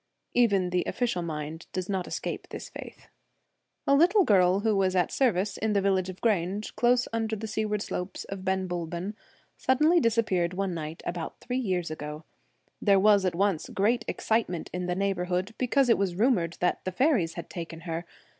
Even the official mind does not escape this faith. A little girl who was at service in the village of Grange, close under the seaward slopes of Ben Bulben, suddenly disappeared one night about three years ago. There Belief and ,. Unbelief. was at once great excitement in the neigh bourhood, because it was rumoured that the faeries had taken her.